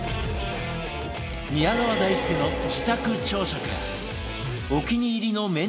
宮川大輔の自宅朝食